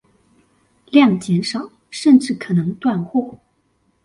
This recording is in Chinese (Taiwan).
量減少甚至可能斷貨